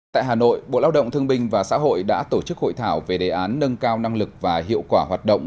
tại hà nội bộ lao động thương binh và xã hội đã tổ chức hội thảo về đề án nâng cao năng lực và hiệu quả hoạt động